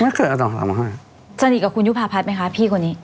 ไม่เคยเอาตังค์สาวมาให้สนิทกับคุณยุภาพัฒน์ไหมคะพี่คนนี้